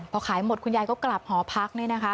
พอขายหมดคุณยายก็กลับหอพักเนี่ยนะคะ